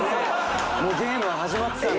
もうゲームは始まってたんだ。